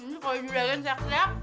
ini kalau juragan seriak teriak